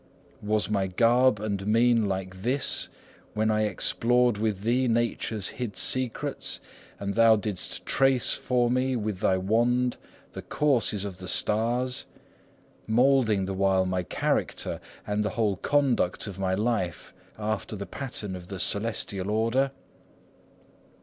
Was my garb and mien like this when I explored with thee nature's hid secrets, and thou didst trace for me with thy wand the courses of the stars, moulding the while my character and the whole conduct of my life after the pattern of the celestial order?